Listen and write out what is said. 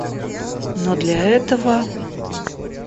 Но для этого...